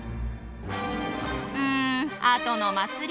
うんあとの祭り。